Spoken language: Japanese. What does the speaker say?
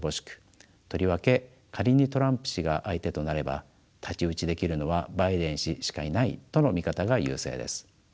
とりわけ仮にトランプ氏が相手となれば太刀打ちできるのはバイデン氏しかいないとの見方が優勢です。